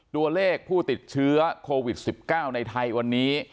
ตัวเลขผู้ติดเชื้อโควิด๑๙ในไทยวันนี้